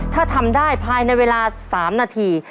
ถ้าทำได้ภายในเวลา๓นาที